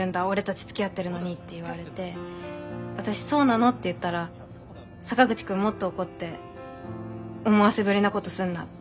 俺たちつきあってるのに」って言われて私「そうなの？」って言ったら坂口くんもっと怒って「思わせぶりなことすんな」